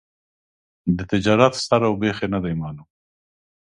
د تجارت سر او بېخ یې نه دي معلوم.